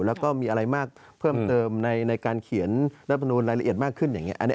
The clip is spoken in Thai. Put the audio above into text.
แล้วก็มีอะไรมากเพิ่มเติมในการเขียนรัฐมนูลรายละเอียดมากขึ้นอย่างนี้